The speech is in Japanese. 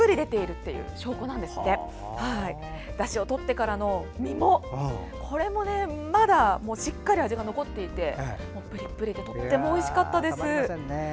そして、だしをとってからの身もしっかり味が残っていてプリプリでとってもおいしかったです。